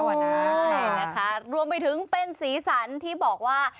ใช่นะคะรวมไปถึงเป็นสีสันที่บอกว่า